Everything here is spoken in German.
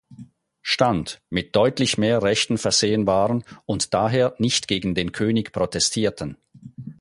Stand, mit deutlich mehr Rechten versehen waren und daher nicht gegen den König protestierten.